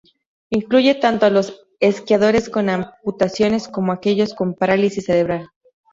Incluye tanto a los esquiadores con amputaciones como a aquellos con parálisis cerebral.